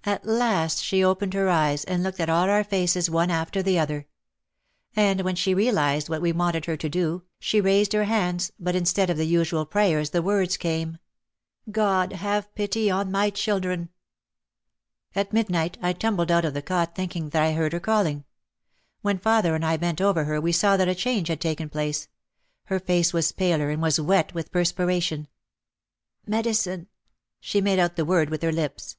,, At last she opened her eyes and looked at all our faces one after the other. And when she realised what we wanted her to do, she raised her hands but instead of the usual prayer the words came, "God have pity on my children !" At midnight I tumbled out of the cot thinking that I heard her calling. When father and I bent over her we saw that a change had taken place. Her face was paler and was wet with perspiration. "Medicine !" She made out the word with her lips.